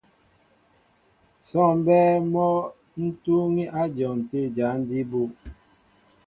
Sɔ́ɔŋ mbɛ́ɛ́ mɔ́ ń túúŋí á dyɔn tə̂ jǎn jí bú.